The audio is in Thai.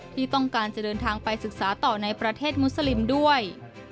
ที่ต้องการจะเดินทางไปศึกษาต่อในประเทศมุสลิมด้วย